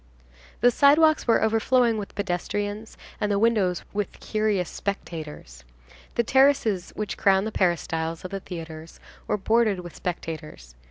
The sidewalks were overflowing with pedestrians and the windows with curious spectators. The terraces which crown the peristyles of the theatres were bordered with spectators.